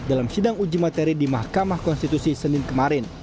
dalam sidang uji materi di mahkamah konstitusi senin kemarin